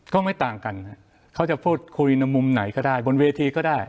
ก็ไม่ต่างกันครับเขาจะพูดคุยในมุมไหนก็ได้บนเวทีก็ได้